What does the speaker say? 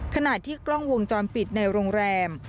ขณะที่กล้องวงจรปิดในโรงแรม